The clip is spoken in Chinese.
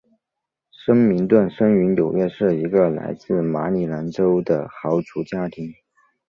森明顿生于纽约市一个来自于马里兰州的豪族家庭。